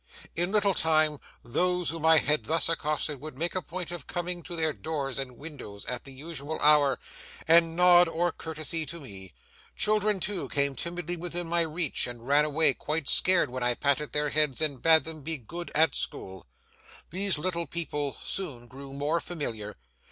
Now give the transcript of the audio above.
In a little time, those whom I had thus accosted would make a point of coming to their doors and windows at the usual hour, and nod or courtesy to me; children, too, came timidly within my reach, and ran away quite scared when I patted their heads and bade them be good at school. These little people soon grew more familiar.